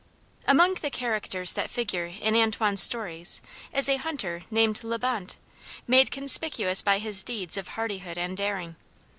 Among the characters that figure in Antoine's stories is a hunter named La Bonte, made conspicuous by his deeds of hardihood and daring.